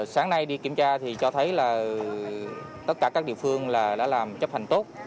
sáng nay đi kiểm tra thì cho thấy là tất cả các địa phương là đã làm chấp hành tốt